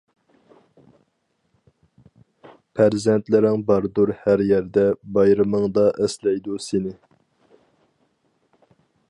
پەرزەنتلىرىڭ باردۇر ھەر يەردە بايرىمىڭدا ئەسلەيدۇ سېنى.